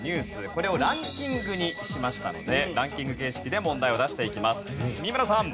これをランキングにしましたのでランキング形式で問題を出していきます。